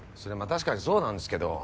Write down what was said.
確かにそうなんですけど。